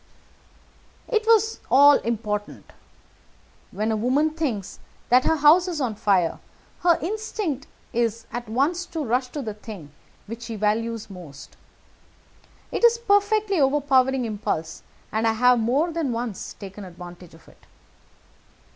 "It was all important. When a woman thinks that her house is on fire, her instinct is at once to rush to the thing which she values most. It is a perfectly overpowering impulse, and I have more than once taken advantage of it.